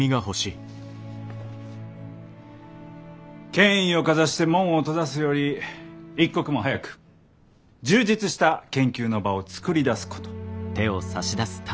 権威をかざして門を閉ざすより一刻も早く充実した研究の場を作り出すこと。